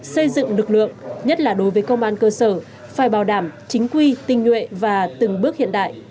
xây dựng lực lượng nhất là đối với công an cơ sở phải bảo đảm chính quy tinh nhuệ và từng bước hiện đại